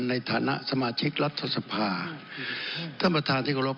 ในฐานะสมาชิกรัฐสภาท่านประธานที่กรบ